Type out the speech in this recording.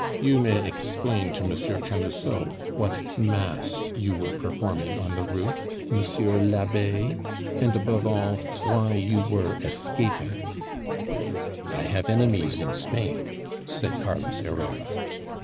"You may explain to Monsieur Camusot what mass you were performing on the roof, Monsieur l'Abbe, and, above all, why you were escaping " "I have enemies in Spain," said Carlos Herrera.